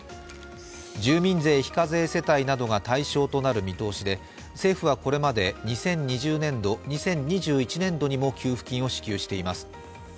住民税非課税世帯などが対象となる見通しで政府はこれまで２０２０年度２０２１年度にも給付金を支給しています。